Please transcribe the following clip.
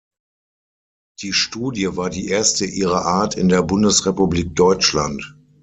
Die Studie war die erste ihrer Art in der Bundesrepublik Deutschland.